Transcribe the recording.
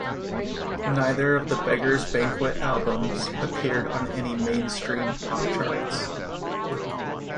Neither of the Beggars Banquet albums appeared on any mainstream pop charts.